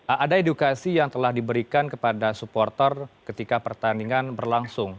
ada edukasi yang telah diberikan kepada supporter ketika pertandingan berlangsung